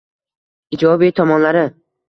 Ijobiy tomonlari